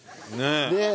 ねえ。